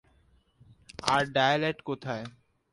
আর violet কোথায়?